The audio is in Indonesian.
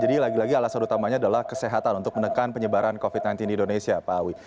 jadi lagi lagi alasan utamanya adalah kesehatan untuk menekan penyebaran covid sembilan belas di indonesia pak awi